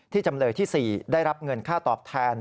จำเลยที่๔ได้รับเงินค่าตอบแทน